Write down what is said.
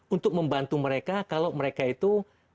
untuk membantu mereka kalau mereka itu